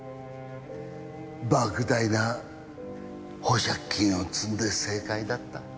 莫大な保釈金を積んで正解だった。